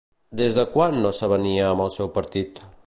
Des de quan no s'avenia amb el seu partit?